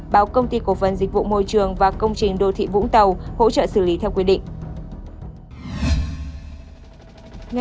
báo công ty cổ phần dịch vụ môi trường và công trình đô thị vũng tàu hỗ trợ xử lý theo quy định